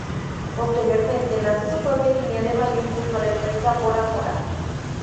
Posteriormente, lanza su propia línea de baño junto a la empresa "Bora-Bora".